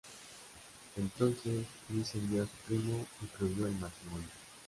Entonces, Louis envió a su primo y prohibió el matrimonio.